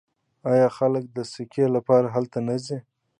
آیا خلک د سکي لپاره هلته نه ځي؟